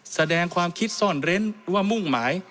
แสดงความคิดซ่อนเร้นว่ามุ่งหมาย